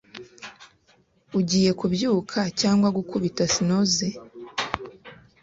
Ugiye kubyuka cyangwa gukubita snooze?